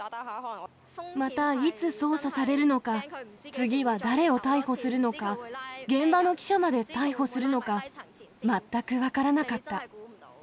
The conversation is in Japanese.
またいつ捜査されるのか、次は誰を逮捕するのか、現場の記者まで逮捕するのか、全く分からなかった。